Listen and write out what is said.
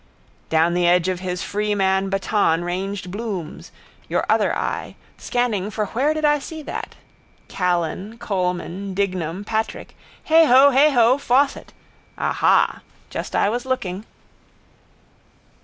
Down the edge of his Freeman baton ranged Bloom's, your other eye, scanning for where did I see that. Callan, Coleman, Dignam Patrick. Heigho! Heigho! Fawcett. Aha! Just I was looking...